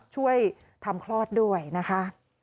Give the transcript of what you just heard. ช่วยทำคลอดด้วยนะคะ